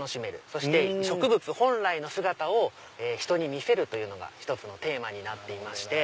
そして植物本来の姿を人に見せるというのが１つのテーマになっていまして。